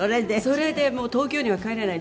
それでもう東京には帰れない。